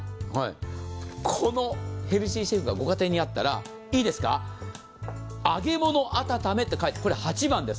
このヘルシーシェフがご家庭にあったら、いいですか、揚げ物のあたため、８番です。